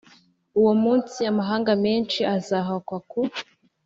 Uwo munsi amahanga menshi azahakwa ku